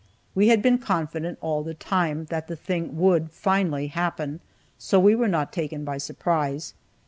We had been confident, all the time, that the thing would finally happen, so we were not taken by surprise.